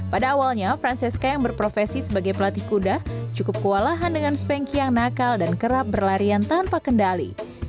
pada awalnya francesca yang berprofesi sebagai pelatih kuda cukup kewalahan dengan spanky yang nakal dan kerap berlarian tanpa kendali